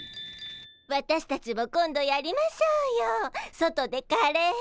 私たちも今度やりましょうよ外でカレー。